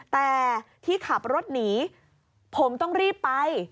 แต่ที่ขับรถหนีผมต้องรีบไป